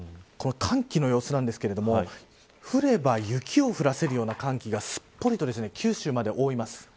この寒気の様子なんですが降れば雪を降らせるような寒気がすっぽりと九州まで覆います。